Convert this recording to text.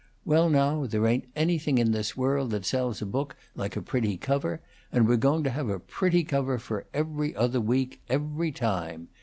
Well, now, there ain't anything in this world that sells a book like a pretty cover, and we're going to have a pretty cover for 'Every Other Week' every time.